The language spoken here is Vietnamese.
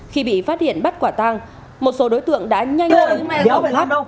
khi bị phát hiện bắt quả tang một số đối tượng đã nhanh lên đeo khắp